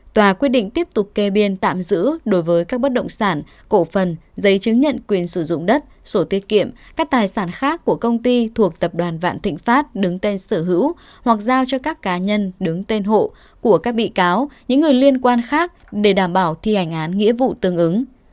tòa quyết định tiếp tục kê biên tạm giữ đối với các bất động sản cổ phần giấy chứng nhận quyền sử dụng đất sổ tiết kiệm các tài sản khác của công ty thuộc tập đoàn vạn thịnh pháp đứng tên sở hữu hoặc giao cho các cá nhân đứng tên hộ của các bị cáo những người liên quan khác để đảm bảo thi hành án nghĩa vụ tương ứng